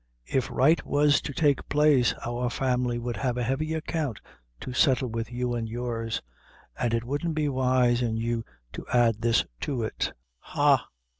If right was to take place, our family would have a heavy account to settle with you and yours; and it wouldn't be wise in you to add this to it." "Ha!